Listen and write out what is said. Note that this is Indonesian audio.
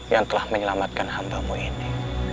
yang telah menyelamatkan hambamu ini